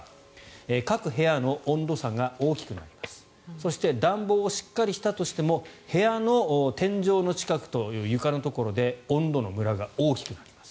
各部屋の温度差が大きくなりますそして暖房をしっかりしたとしても部屋の天井の近くと床のところで温度のむらが大きくなります。